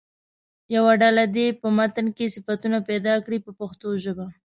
یوه ډله دې په متن کې صفتونه پیدا کړي په پښتو ژبه.